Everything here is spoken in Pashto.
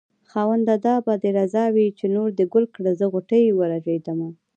خاونده دا به دې رضا وي چې نور دې ګل کړل زه غوټۍ ورژېدمه